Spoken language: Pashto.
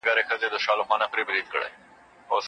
چي ماښام سو